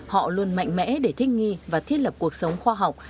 họ luôn mạnh mẽ để thích nghi và thiết lập cuộc sống khoa học